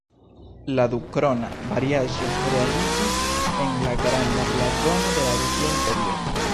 La "dukrona"-variaĵo realiĝis en la "Granda blazono de la Rusia Imperio".